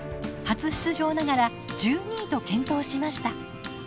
初出場ながら１２位と健闘しました。